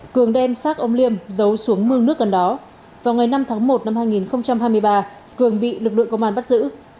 cường đem xác ông liêm giấu xuống mương nước gần đó vào ngày năm tháng một năm hai nghìn hai mươi ba cường bị lực lượng công an bắt giữ